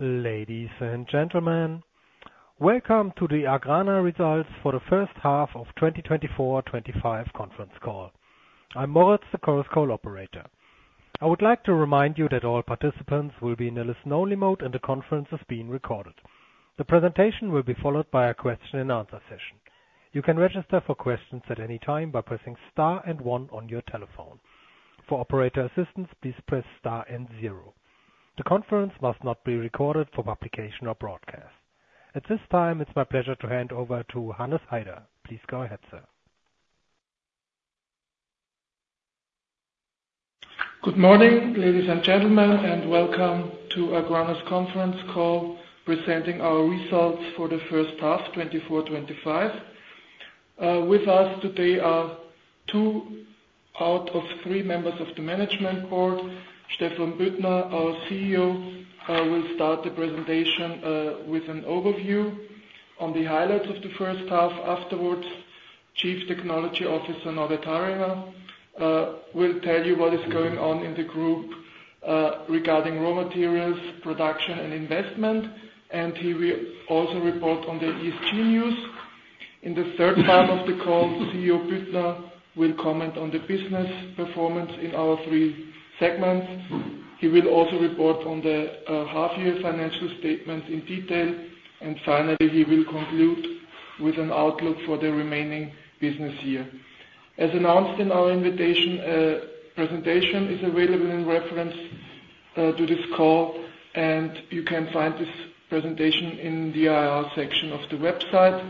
Ladies and gentlemen, welcome to the Agrana results for the first half of 2024/25 conference call. I'm Moritz, the conference call operator. I would like to remind you that all participants will be in a listen-only mode, and the conference is being recorded. The presentation will be followed by a question and answer session. You can register for questions at any time by pressing star and one on your telephone. For operator assistance, please press star and zero. The conference must not be recorded for publication or broadcast. At this time, it's my pleasure to hand over to Hannes Haider. Please go ahead, sir. Good morning, ladies and gentlemen, and welcome to Agrana's conference call, presenting our results for the first half, twenty-four, twenty-five. With us today are two out of three members of the management board. Stephan Büttner, our CEO, will start the presentation with an overview on the highlights of the first half. Afterwards, Chief Technology Officer, Norbert Harringer, will tell you what is going on in the group regarding raw materials, production, and investment, and he will also report on the ESG news. In the third part of the call, CEO Büttner will comment on the business performance in our three segments. He will also report on the half-year financial statements in detail, and finally, he will conclude with an outlook for the remaining business year. As announced in our invitation, a presentation is available in reference to this call, and you can find this presentation in the IR section of the website.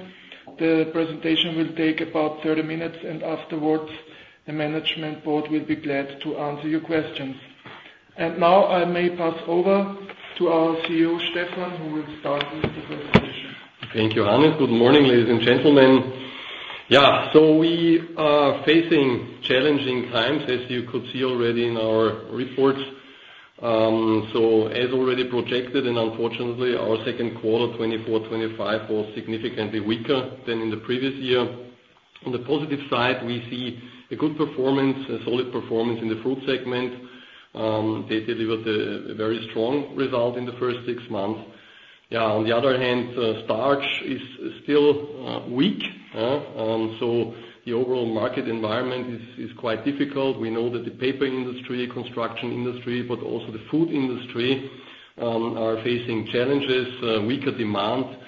The presentation will take about thirty minutes, and afterwards, the management board will be glad to answer your questions. And now, I may pass over to our CEO, Stephan, who will start with the presentation. Thank you, Hannes. Good morning, ladies and gentlemen. Yeah, so we are facing challenging times, as you could see already in our reports. So as already projected and unfortunately, our second quarter 2024/25 was significantly weaker than in the previous year. On the positive side, we see a good performance, a solid performance in the food segment. They delivered a very strong result in the first six months. Yeah, on the other hand, starch is still weak, so the overall market environment is quite difficult. We know that the paper industry, construction industry, but also the food industry are facing challenges. Weaker demand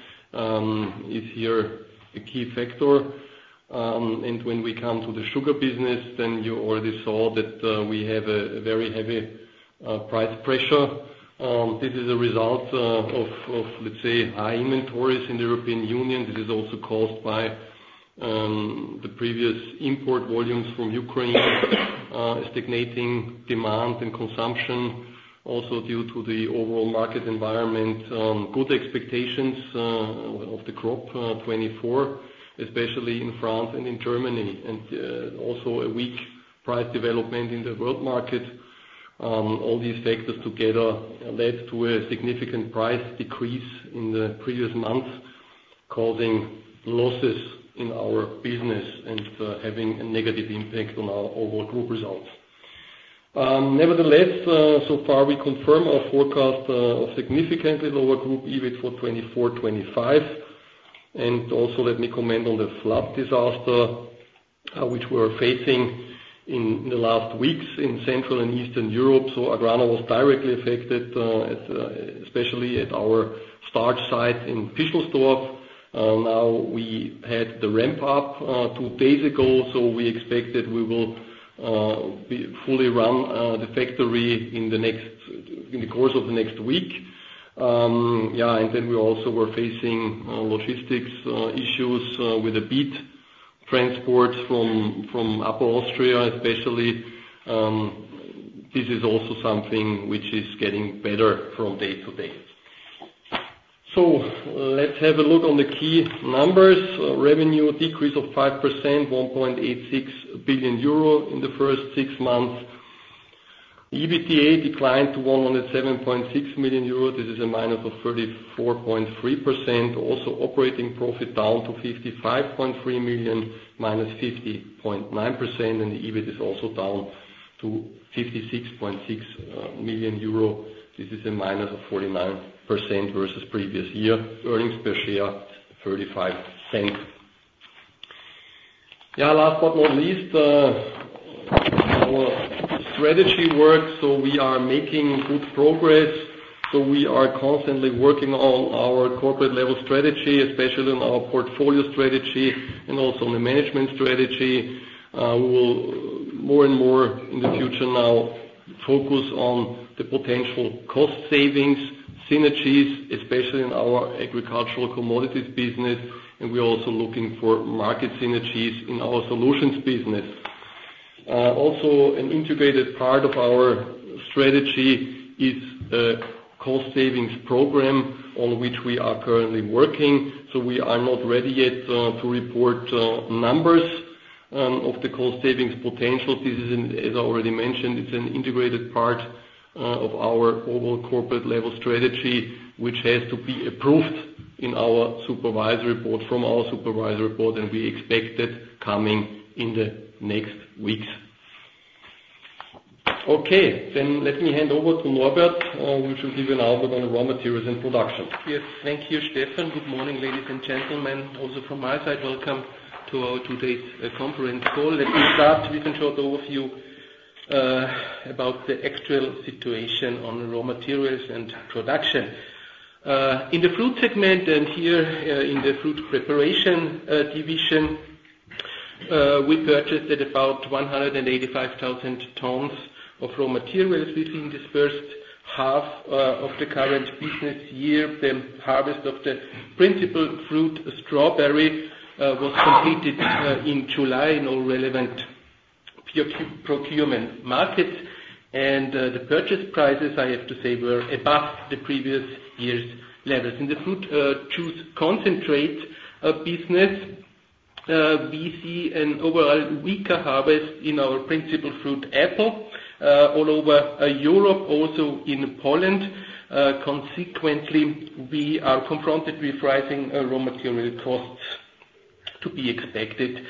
is here a key factor and when we come to the sugar business, then you already saw that we have a very heavy price pressure. This is a result of, let's say, high inventories in the European Union. This is also caused by the previous import volumes from Ukraine, stagnating demand and consumption, also due to the overall market environment, good expectations of the crop 2024, especially in France and in Germany, and also a weak price development in the world market. All these factors together led to a significant price decrease in the previous months, causing losses in our business and having a negative impact on our overall group results. Nevertheless, so far, we confirm our forecast of significantly lower group EBIT for 2024, 2025. Also, let me comment on the flood disaster, which we are facing in the last weeks in Central and Eastern Europe. So Agrana was directly affected, especially at our starch site in Pischelsdorf. Now we had the ramp up two days ago, so we expect that we will be fully run the factory in the course of the next week. Yeah, and then we also were facing logistics issues with the beet transport from Upper Austria, especially. This is also something which is getting better from day to day. So let's have a look on the key numbers. Revenue decrease of 5%, 1.86 billion euro in the first six months. EBITDA declined to 107.6 million euros. This is a minus of 34.3%. Also, operating profit down to 55.3 million EUR, minus 50.9%, and the EBIT is also down to 56.6 million euro. This is a minus of 49% versus previous year. Earnings per share, 0.35 EUR. Yeah, last but not least, our strategy work, so we are making good progress. So we are constantly working on our corporate-level strategy, especially on our portfolio strategy and also on the management strategy. We will more and more in the future now focus on the potential cost savings, synergies, especially in our agricultural commodities business, and we are also looking for market synergies in our solutions business. Also an integrated part of our strategy is the cost savings program on which we are currently working, so we are not ready yet to report numbers of the cost savings potential. This is, as already mentioned, it's an integrated part of our overall corporate-level strategy, which has to be approved in our supervisory board—from our supervisory board, and we expect it coming in the next weeks. Okay, then let me hand over to Norbert, who should give you an output on the raw materials and production. Yes, thank you, Stephan. Good morning, ladies and gentlemen. Also from my side, welcome to our today's conference call. Let me start with a short overview about the external situation on raw materials and production. In the fruit segment, and here in the fruit preparation division, we purchased about 185,000 tons of raw materials in this first half of the current business year. The harvest of the principal fruit, strawberry, was completed in July in all relevant procurement markets, and the purchase prices, I have to say, were above the previous year's levels. In the fruit juice concentrate business, we see an overall weaker harvest in our principal fruit, apple, all over Europe, also in Poland. Consequently, we are confronted with rising raw material costs to be expected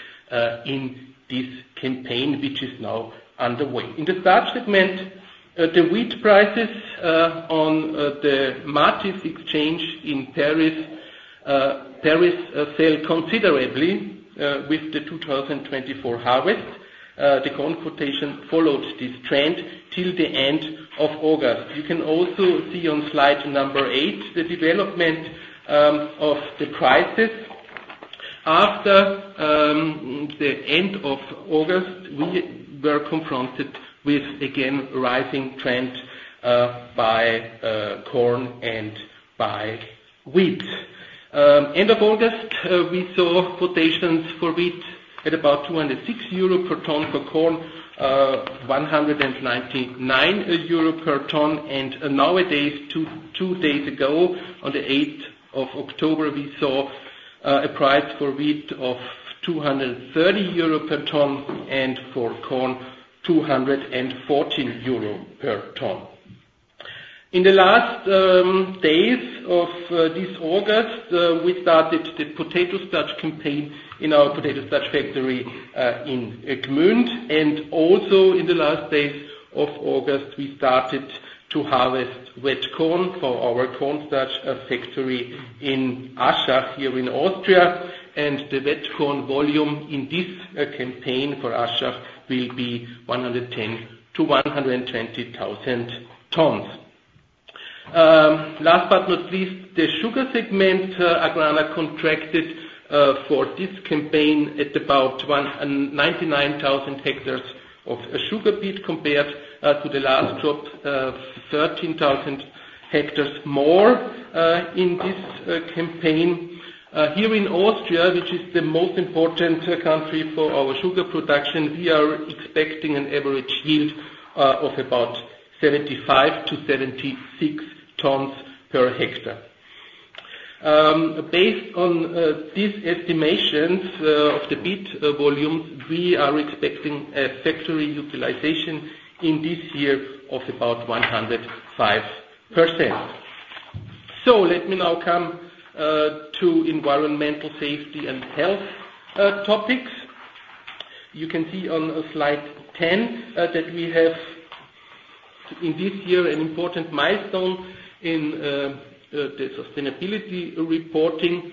in this campaign, which is now underway. In the starch segment, the wheat prices on the Matif exchange in Paris fell considerably with the two thousand and twenty-four harvest. The corn quotation followed this trend till the end of August. You can also see on slide number eight, the development of the prices. After the end of August, we were confronted with, again, rising trend by corn and by wheat. End of August, we saw quotations for wheat at about 206 euro per ton, for corn, one hundred and ninety-nine euro per ton, and nowadays, two days ago, on the eighth of October, we saw a price for wheat of 230 euro per ton, and for corn, 214 euro per ton. In the last days of this August, we started the potato starch campaign in our potato starch factory in Gmünd, and also in the last days of August, we started to harvest wet corn for our corn starch factory in Aschach, here in Austria, and the wet corn volume in this campaign for Aschach will be 110-120 thousand tons. Last but not least, the sugar segment. Agrana contracted for this campaign at about 199,000 hectares of sugar beet, compared to the last crop, 13,000 hectares more in this campaign. Here in Austria, which is the most important country for our sugar production, we are expecting an average yield of about 75-76 tons per hectare. Based on these estimations of the beet volume, we are expecting a factory utilization in this year of about 105%. Let me now come to environmental, safety, and health topics. You can see on slide ten that we have, in this year, an important milestone in the sustainability reporting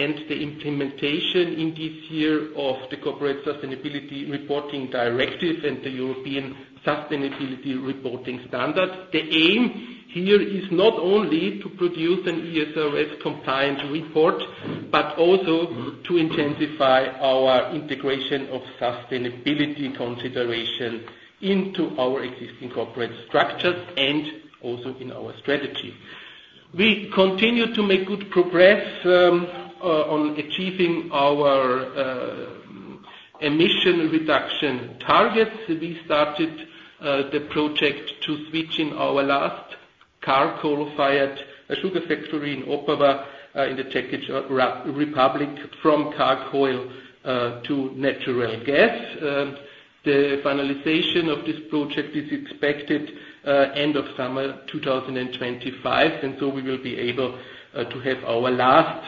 and the implementation in this year of the Corporate Sustainability Reporting Directive and the European Sustainability Reporting Standard. The aim here is not only to produce an ESRS compliant report, but also to intensify our integration of sustainability consideration into our existing corporate structures and also in our strategy. We continue to make good progress on achieving our emission reduction targets. We started the project to switching our last charcoal-fired sugar factory in Opava in the Czech Republic, from charcoal to natural gas. The finalization of this project is expected end of summer 2025, and so we will be able to have our last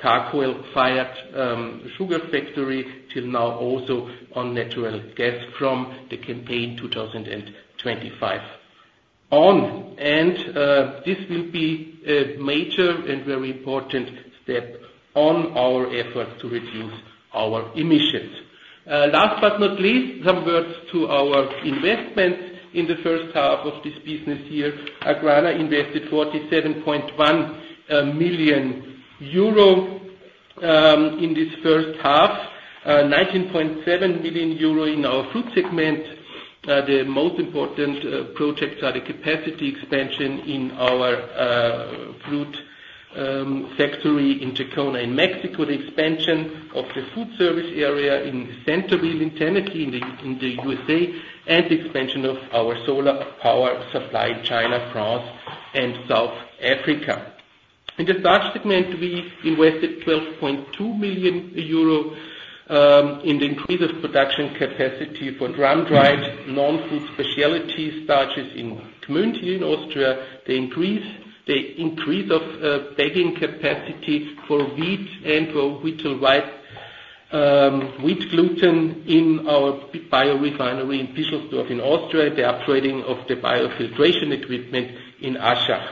charcoal-fired sugar factory till now, also on natural gas from the campaign 2025 on. And this will be a major and very important step on our effort to reduce our emissions. Last but not least, some words to our investment in the first half of this business year. Agrana invested 47.1 million euro in this first half, 19.7 million euro in our food segment. The most important projects are the capacity expansion in our fruit factory in Jacona, in Mexico, the expansion of the food service area in Centerville, in Tennessee, in the USA, and expansion of our solar power supply in China, France, and South Africa. In the starch segment, we invested 12.2 million euro in the increased production capacity for drum-dried, non-food specialty starches in Gmünd in Austria. The increase of bagging capacity for wheat and for wheat gluten in our biorefinery in Pischelsdorf in Austria, the upgrading of the biofiltration equipment in Aschach.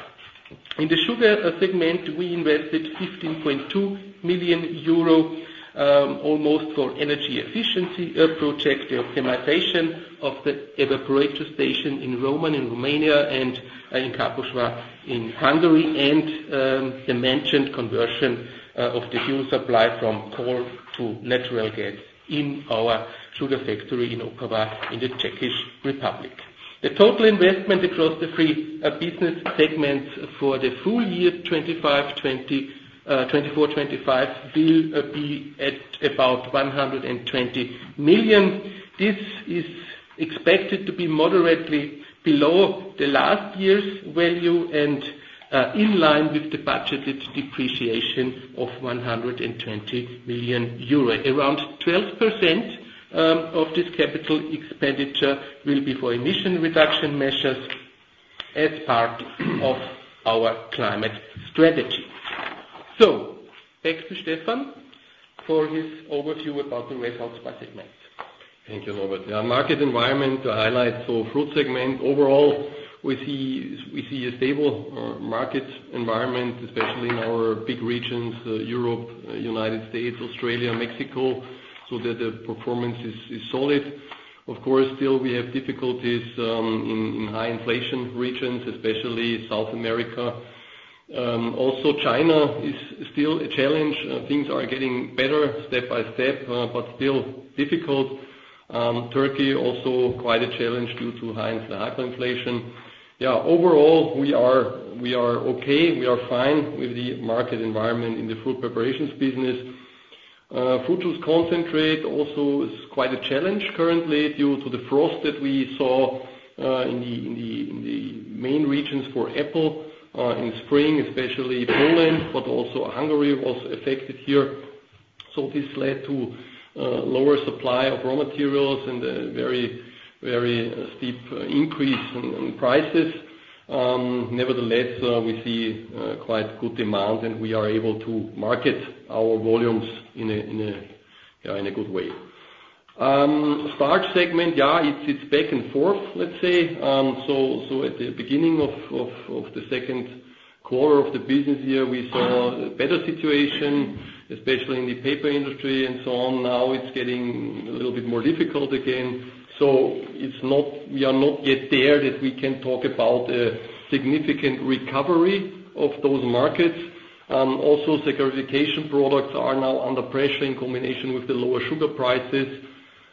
In the sugar segment, we invested 15.2 million euro almost for energy efficiency project, the optimization of the evaporator station in Roman, in Romania, and in Kaposvár in Hungary, and the mentioned conversion of the fuel supply from coal to natural gas in our sugar factory in Opava in the Czech Republic. The total investment across the three business segments for the full year twenty twenty-four twenty-five will be at about 120 million. This is expected to be moderately below the last year's value and in line with the budgeted depreciation of 120 million euro. Around 12% of this capital expenditure will be for emission reduction measures as part of our climate strategy. So back to Stephan for his overview about the results by segment. Thank you, Norbert. Yeah, market environment highlights, so fruit segment overall, we see a stable market environment, especially in our big regions, Europe, United States, Australia, Mexico, so the performance is solid. Of course, still we have difficulties in high inflation regions, especially South America. Also China is still a challenge. Things are getting better step by step, but still difficult. Turkey, also quite a challenge due to high inflation. Yeah, overall, we are okay. We are fine with the market environment in the fruit preparations business. Fruit juice concentrate also is quite a challenge currently due to the frost that we saw in the main regions for apple in spring, especially Poland, but also Hungary was affected here. So this led to lower supply of raw materials and a very, very steep increase in prices. Nevertheless, we see quite good demand, and we are able to market our volumes in a good way. Starch segment, it's back and forth, let's say. So at the beginning of the second quarter of the business year, we saw a better situation, especially in the paper industry and so on. Now, it's getting a little bit more difficult again. So it's not. We are not yet there, that we can talk about a significant recovery of those markets. Also, saccharification products are now under pressure in combination with the lower sugar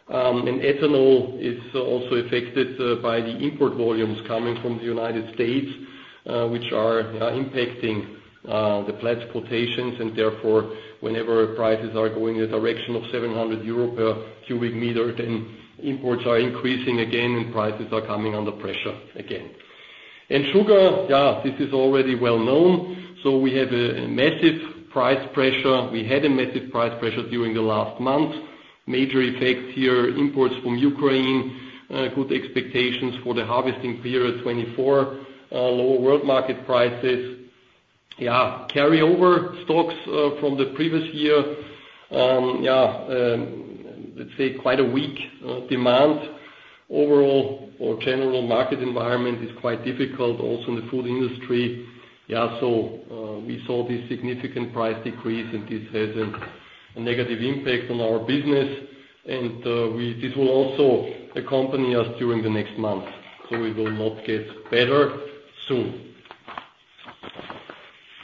prices. And ethanol is also affected by the import volumes coming from the United States, which are impacting the plant's quotations, and therefore, whenever prices are going in the direction of 700 euro per cubic meter, then imports are increasing again, and prices are coming under pressure again. In sugar, yeah, this is already well known, so we had a massive price pressure. We had a massive price pressure during the last month. Major effects here, imports from Ukraine, good expectations for the harvesting period, 2024, lower world market prices. Carryover stocks from the previous year, let's say quite a weak demand overall or general market environment is quite difficult also in the food industry. Yeah, so, we saw this significant price decrease, and this has a negative impact on our business, and, this will also accompany us during the next month, so it will not get better soon.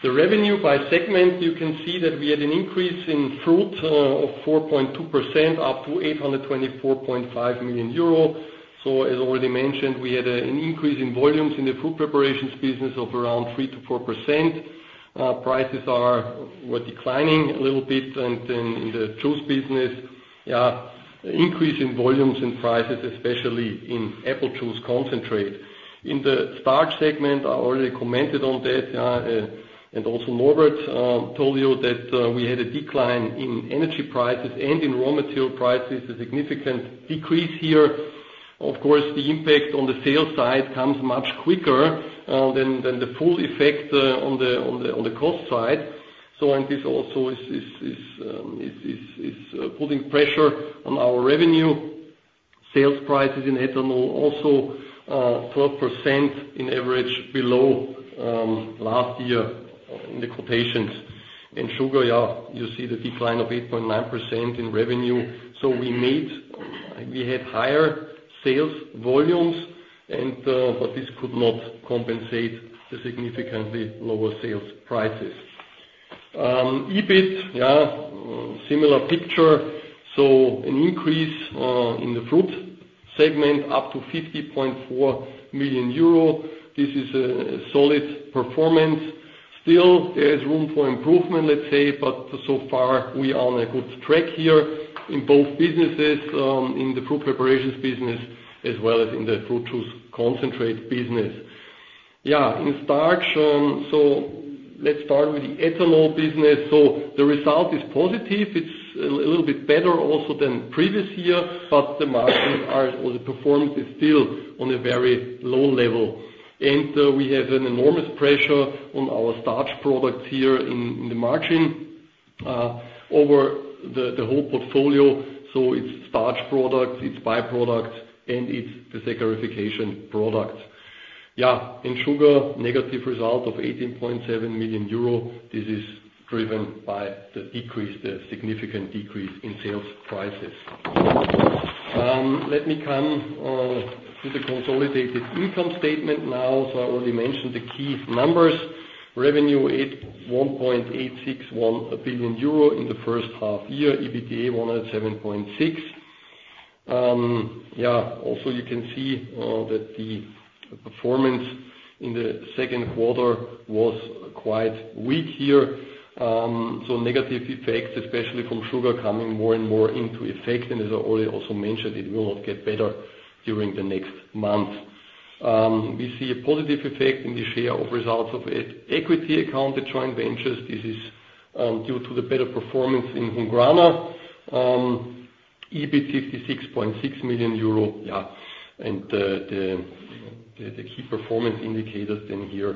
The revenue by segment, you can see that we had an increase in fruit, of 4.2%, up to 824.5 million euro. So as already mentioned, we had an increase in volumes in the fruit preparations business of around 3%-4%. Prices were declining a little bit, and in the juice business, yeah, increase in volumes and prices, especially in apple juice concentrate. In the starch segment, I already commented on that, and also Norbert told you that, we had a decline in energy prices and in raw material prices, a significant decrease here. Of course, the impact on the sales side comes much quicker than the full effect on the cost side. This also is putting pressure on our revenue. Sales prices in ethanol also 12% on average below last year in the quotations. In sugar, you see the decline of 8.9% in revenue. We had higher sales volumes, but this could not compensate the significantly lower sales prices. EBIT, similar picture. An increase in the fruit segment up to 50.4 million euro. This is a solid performance. Still, there is room for improvement, let's say, but so far, we are on a good track here in both businesses, in the fruit preparations business as well as in the fruit juice concentrate business. Yeah, in starch, so let's start with the ethanol business. So the result is positive. It's a little bit better also than previous year, but the margins are, or the performance is still on a very low level. And we have an enormous pressure on our starch products here in the margin, over the whole portfolio, so it's starch products, it's by-products, and it's the saccharification product. Yeah, in sugar, negative result of 18.7 million euro. This is driven by the decrease, the significant decrease in sales prices. Let me come to the consolidated income statement now. So I already mentioned the key numbers. Revenue is 1.861 billion euro in the first half year, EBITDA 107.6 million. Also, you can see that the performance in the second quarter was quite weak here. So negative effects, especially from sugar, coming more and more into effect, and as I already also mentioned, it will not get better during the next month. We see a positive effect in the share of results of equity-accounted joint ventures. This is due to the better performance in Hungrana. EBIT, EUR 56.6 million. And the key performance indicators in here,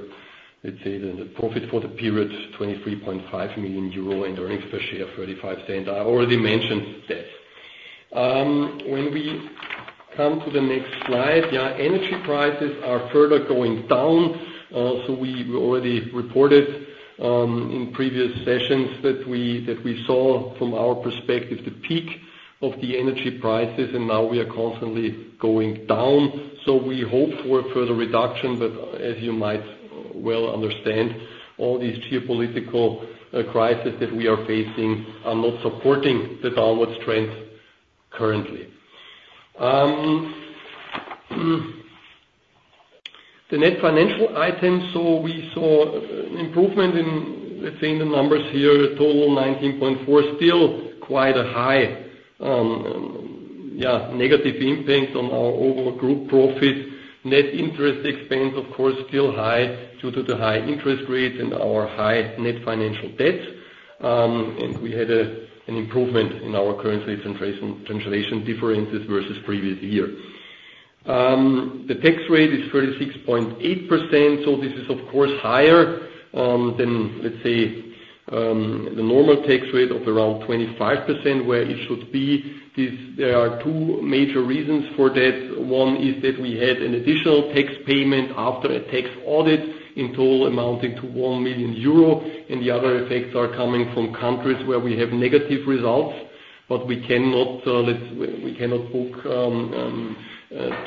let's say, the profit for the period, 23.5 million euro, and earnings per share, 0.35. I already mentioned that. When we come to the next slide, energy prices are further going down. So we already reported in previous sessions that we saw from our perspective the peak of the energy prices, and now we are constantly going down. We hope for a further reduction, but as you might well understand, all these geopolitical crises that we are facing are not supporting the downward trend currently. The net financial items, so we saw improvement in, let's say, in the numbers here, a total of 19.4, still quite a high, yeah, negative impact on our overall group profit. Net interest expense, of course, still high due to the high interest rates and our high net financial debt, and we had an improvement in our currency translation differences versus previous year. The tax rate is 36.8%, so this is, of course, higher than, let's say, the normal tax rate of around 25%, where it should be. This. There are two major reasons for that. One is that we had an additional tax payment after a tax audit in total amounting to 1 million euro, and the other effects are coming from countries where we have negative results, but we cannot book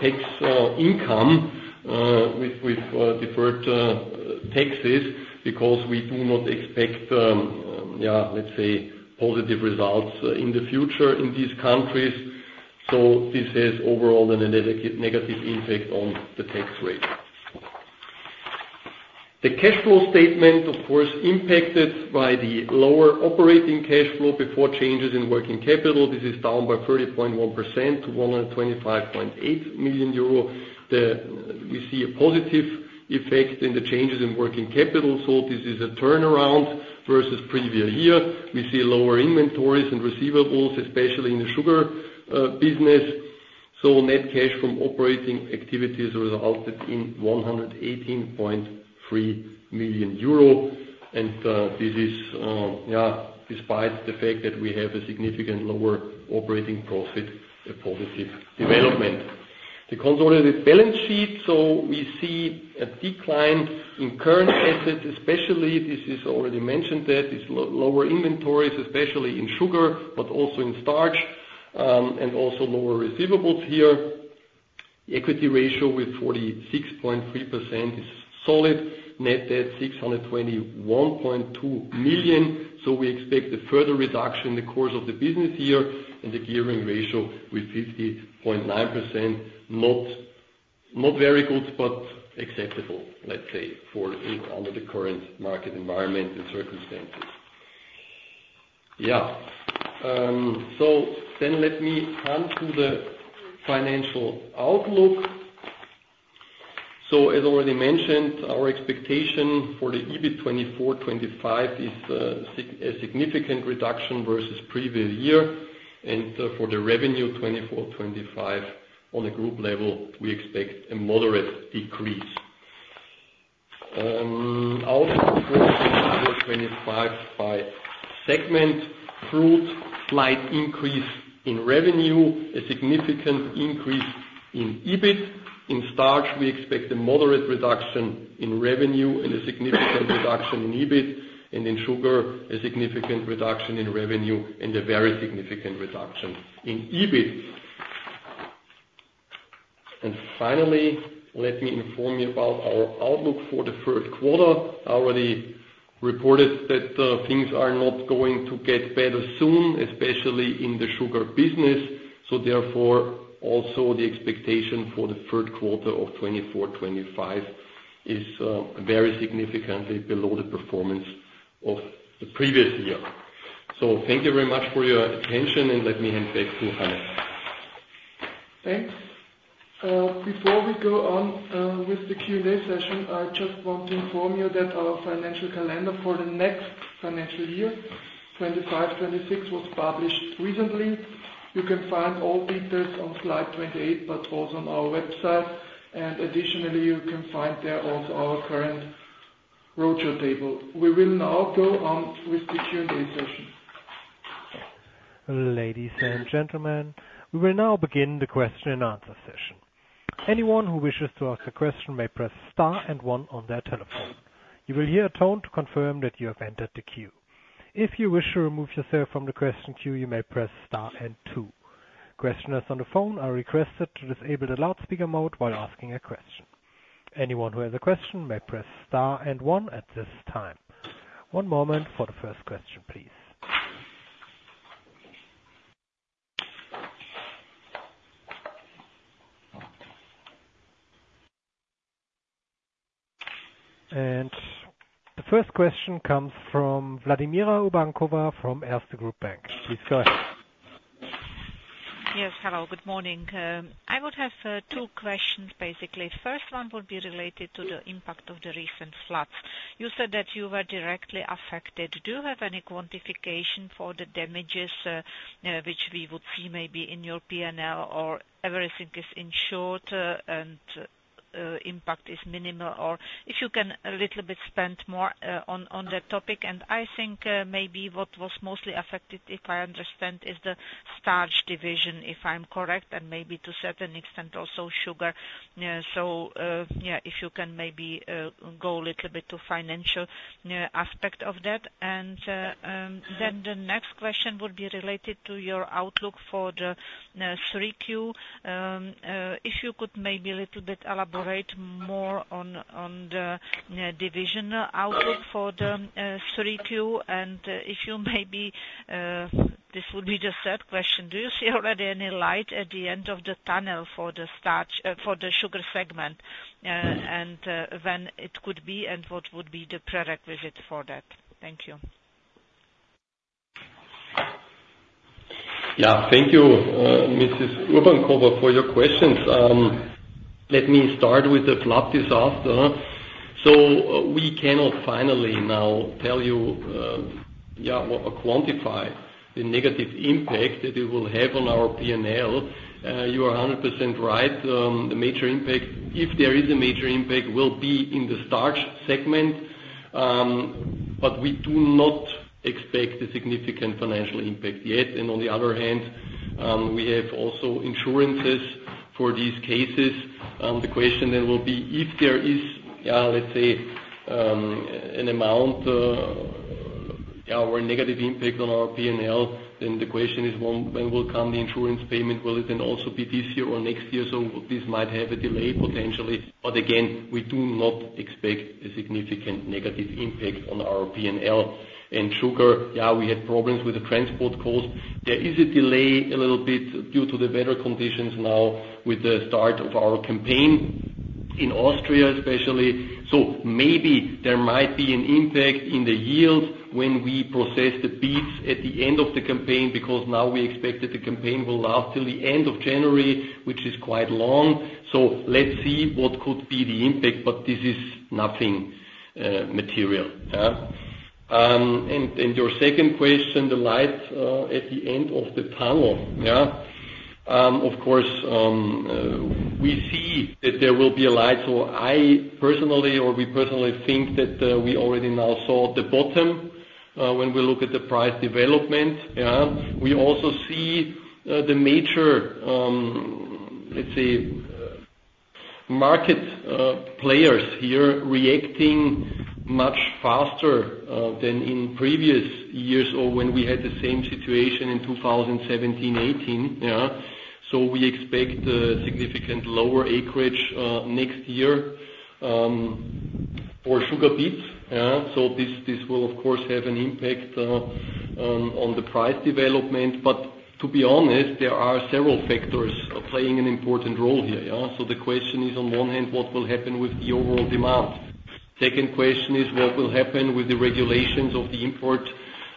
tax income with deferred taxes, because we do not expect positive results in the future in these countries. So this has overall a negative impact on the tax rate. The cash flow statement, of course, impacted by the lower operating cash flow before changes in working capital. This is down by 30.1% to 125.8 million euro. We see a positive effect in the changes in working capital, so this is a turnaround versus previous year. We see lower inventories and receivables, especially in the sugar business. So net cash from operating activities resulted in 118.3 million EUR, and this is, despite the fact that we have a significant lower operating profit, a positive development. The consolidated balance sheet, so we see a decline in current assets, especially this is already mentioned that it's lower inventories, especially in sugar, but also in starch, and also lower receivables here. Equity ratio with 46.3% is solid. Net debt 621.2 million, so we expect a further reduction in the course of the business year, and the gearing ratio with 50.9%, not very good, but acceptable, let's say, under the current market environment and circumstances. So then let me come to the financial outlook. So as already mentioned, our expectation for the EBIT 2024/25 is a significant reduction versus previous year, and for the revenue 2024/25, on a group level, we expect a moderate decrease. Outlook for 2024/25 by segment. Fruit, slight increase in revenue, a significant increase in EBIT. In starch, we expect a moderate reduction in revenue and a significant reduction in EBIT, and in sugar, a significant reduction in revenue and a very significant reduction in EBIT. Finally, let me inform you about our outlook for the first quarter. I already reported that, things are not going to get better soon, especially in the sugar business. Therefore, also the expectation for the third quarter of twenty-four, twenty-five is very significantly below the performance of the previous year. Thank you very much for your attention, and let me hand back to Hannes. Thanks. Before we go on with the Q&A session, I just want to inform you that our financial calendar for the next financial year, 2025, 2026, was published recently.... You can find all details on slide twenty-eight, but also on our website, and additionally, you can find there also our current roadshow table. We will now go on with the Q&A session. Ladies and gentlemen, we will now begin the question and answer session. Anyone who wishes to ask a question may press star and one on their telephone. You will hear a tone to confirm that you have entered the queue. If you wish to remove yourself from the question queue, you may press star and two. Questioners on the phone are requested to disable the loudspeaker mode while asking a question. Anyone who has a question may press star and one at this time. One moment for the first question, please. And the first question comes from Vladimira Urbankova from Erste Group Bank. Please go ahead. Yes, hello, good morning. I would have two questions, basically. First one would be related to the impact of the recent floods. You said that you were directly affected. Do you have any quantification for the damages, which we would see maybe in your PNL, or everything is insured, and impact is minimal? Or if you can a little bit spend more on that topic. And I think maybe what was mostly affected, if I understand, is the starch division, if I'm correct, and maybe to a certain extent, also sugar. So, yeah, if you can maybe go a little bit to financial aspect of that. And then the next question would be related to your outlook for the three Q. If you could maybe a little bit elaborate more on the division outlook for the three Q. And if you maybe this would be the third question: Do you see already any light at the end of the tunnel for the sugar segment? And when it could be, and what would be the prerequisite for that? Thank you. Yeah. Thank you, Mrs. Urbankova, for your questions. Let me start with the flood disaster. So we cannot finally now tell you, or quantify the negative impact that it will have on our PNL. You are 100% right. The major impact, if there is a major impact, will be in the starch segment. But we do not expect a significant financial impact yet. And on the other hand, we have also insurances for these cases. The question then will be, if there is, let's say, an amount, or a negative impact on our PNL, then the question is, when will come the insurance payment? Will it then also be this year or next year? So this might have a delay, potentially, but again, we do not expect a significant negative impact on our PNL. And sugar, yeah, we had problems with the transport cost. There is a delay, a little bit, due to the better conditions now with the start of our campaign, in Austria, especially. So maybe there might be an impact in the yield when we process the beets at the end of the campaign, because now we expect that the campaign will last till the end of January, which is quite long. So let's see what could be the impact, but this is nothing material, yeah. And your second question, the light at the end of the tunnel, yeah. Of course, we see that there will be a light, so I personally, or we personally think that we already now saw the bottom when we look at the price development, yeah. We also see the major, let's say, market players here reacting much faster than in previous years or when we had the same situation in two thousand and seventeen, eighteen, yeah. So we expect a significant lower acreage next year for sugar beets, yeah. So this will, of course, have an impact on the price development. But to be honest, there are several factors playing an important role here, yeah? So the question is, on one hand, what will happen with the overall demand? Second question is, what will happen with the regulations of the import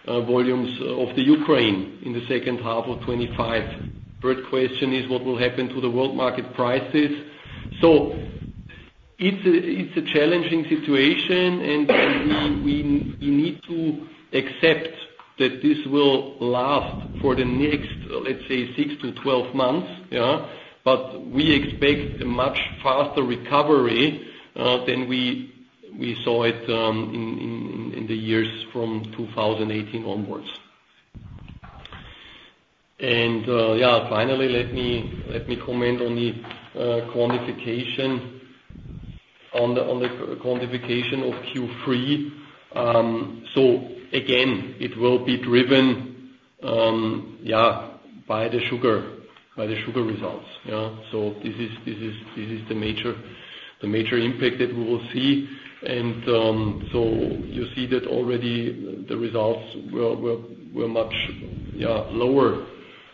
volumes of the Ukraine in the second half of twenty-five? Third question is, what will happen to the world market prices? It's a challenging situation, and we need to accept that this will last for the next, let's say, six to twelve months, yeah. But we expect a much faster recovery than we saw it in the years from two thousand eighteen onwards. And yeah, finally, let me comment on the quantification of Q3. So again, it will be driven by the sugar results, yeah. So this is the major impact that we will see. And so you see that already the results were much lower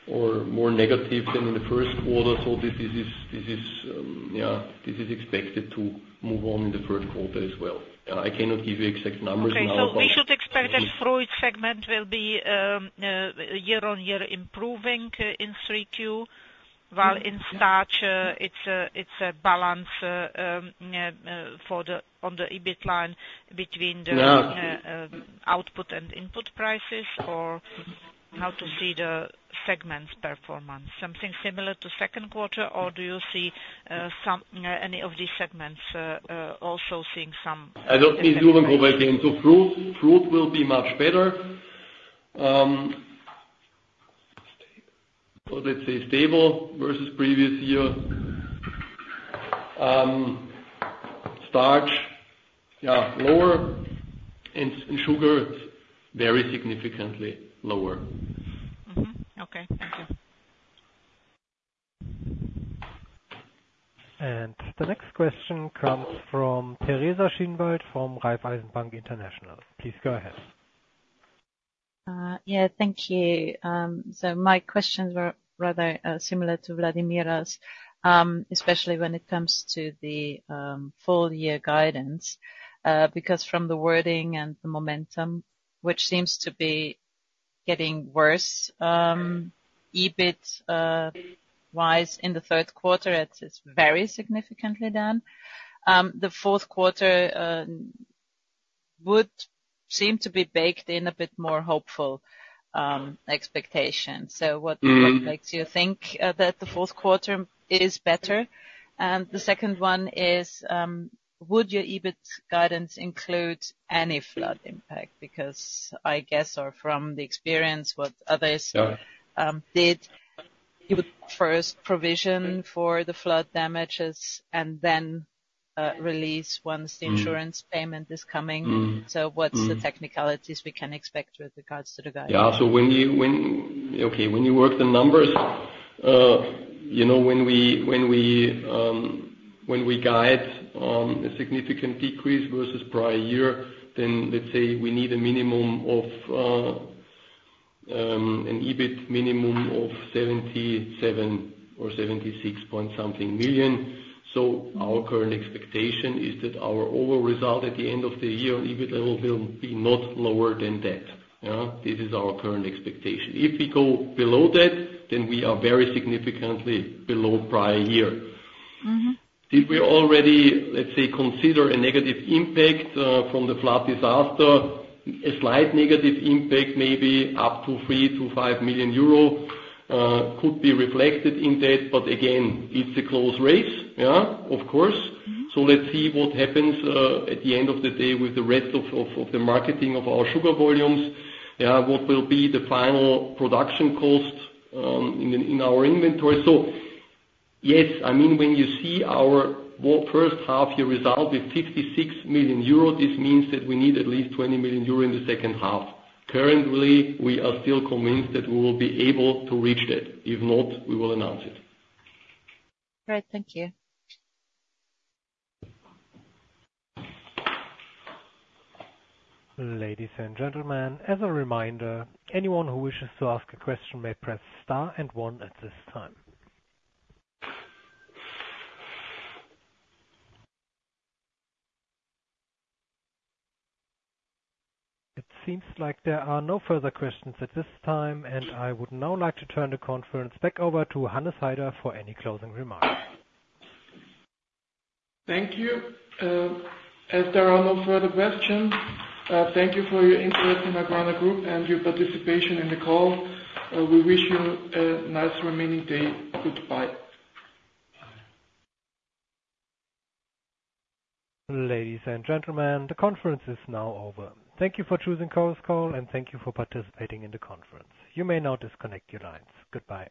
or more negative than in the first quarter. So this is expected to move on in the third quarter as well. I cannot give you exact numbers now, but- Okay, so we should expect that fruit segment will be year-on-year improving in 3Q. While in starch, it's a balance on the EBIT line between the- Yeah. output and input prices, or how to see the segment's performance? Something similar to second quarter, or do you see, some, any of these segments, also seeing some- I don't see sugar operating. So fruit, fruit will be much better. So let's say stable versus previous year. Starch, yeah, lower, and sugar, very significantly lower. Mm-hmm. Okay, thank you. And the next question comes from Teresa Schinwald from Raiffeisen Bank International. Please go ahead. Yeah, thank you. So my questions were rather similar to Vladimira's, especially when it comes to the full year guidance. Because from the wording and the momentum, which seems to be getting worse, EBIT wise, in the third quarter, it is very significantly down. The fourth quarter would seem to be baked in a bit more hopeful expectation. So what- Mm-hmm. Makes you think that the fourth quarter is better? And the second one is, would your EBIT guidance include any flood impact? Because I guess, or from the experience with others- Yeah... you would first provision for the flood damages and then, release once the- Mm Insurance payment is coming. Mm. Mm. What's the technicalities we can expect with regards to the guidance? Yeah, so when you work the numbers, you know, when we guide a significant decrease versus prior year, then let's say we need a minimum of an EBIT minimum of 77 or 76 point something million. So our current expectation is that our overall result at the end of the year on EBIT level will be not lower than that. Yeah? This is our current expectation. If we go below that, then we are very significantly below prior year. Mm-hmm. Did we already, let's say, consider a negative impact from the flood disaster? A slight negative impact, maybe up to 3-5 million euro, could be reflected in that, but again, it's a close race, yeah, of course. Mm-hmm. Let's see what happens at the end of the day with the rest of the marketing of our sugar volumes. Yeah, what will be the final production cost in our inventory? Yes, I mean, when you see our H1 first half-year result with 56 million euros, this means that we need at least 20 million euros in the second half. Currently, we are still convinced that we will be able to reach that. If not, we will announce it. All right. Thank you. Ladies and gentlemen, as a reminder, anyone who wishes to ask a question may press star and one at this time. It seems like there are no further questions at this time, and I would now like to turn the conference back over to Hannes Haider for any closing remarks. Thank you. As there are no further questions, thank you for your interest in Agrana Group and your participation in the call. We wish you a nice remaining day. Goodbye. Ladies and gentlemen, the conference is now over. Thank you for choosing Chorus Call, and thank you for participating in the conference. You may now disconnect your lines. Goodbye.